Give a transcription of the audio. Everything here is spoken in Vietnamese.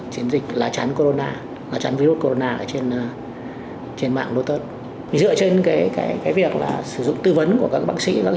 chiến dịch la chắn virus corona sẽ được chia thành những thông tin thực sự hữu ích với bản thân